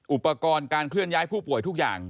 อุปกรณ์การเคลื่อนย้ายผู้ป่วยทุกอย่าง